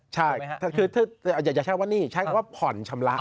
ใช่อย่างเช่นว่านี่ใช้คำว่าผ่อนชำระ